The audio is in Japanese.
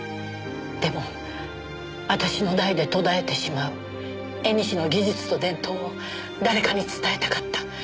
でも私の代で途絶えてしまう縁の技術と伝統を誰かに伝えたかった。